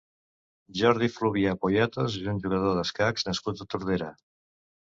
Jordi Fluvià Poyatos és un jugador d'escacs nascut a Tordera.